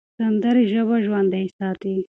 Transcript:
سندرې ژبه ژوندۍ ساتي.